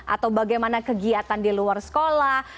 atau bagaimana kegiatan di luar sekolah